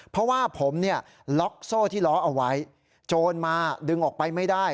เพราะว่าผมเนี่ยล็อกโซ่ที่ล้อเอาไว้โจรมาดึงออกไปไม่ได้